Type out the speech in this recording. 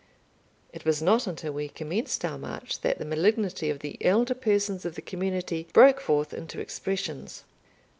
It was not until we commenced our march that the malignity of the elder persons of the community broke forth into expressions.